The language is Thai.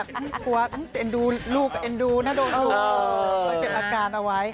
ใช่ค่ะ